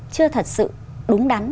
chưa thật sự đúng đắn